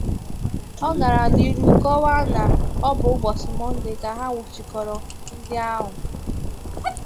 Ọ gara n'ihu kọwaa na ọ bụ ụbọchị Mọnde ka a nwụchikọrọ ndị ahụ